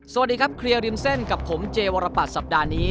สวัสดีครับเคลียร์ริมเส้นกับผมเจวรปัตรสัปดาห์นี้